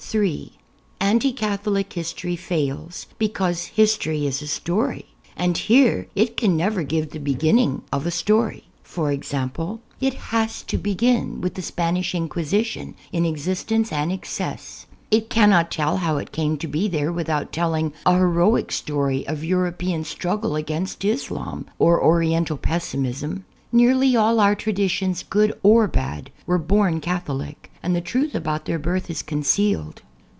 (3) Anti Catholic history fails ])ecause history is a story; and here it can never give the beginning of a story. e.g. It has to begin with the Spanish Inquisition in ex istence and excess ; it cannot tell how it came to be there without telling a heroic story of European struggle against Islam or Oriental pessimism. Nearly all our traditions, good or bad, were born Catholic, and the truth about their birth is concealed.